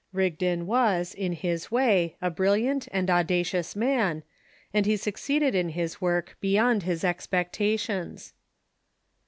Rig don was, in his way, a brilliant and audacious man, and he suc ceeded in his work beyond his expectations.